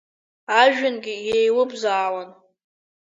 Ажәҩангьы еилыбзаауан.